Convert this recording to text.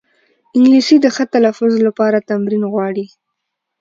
انګلیسي د ښه تلفظ لپاره تمرین غواړي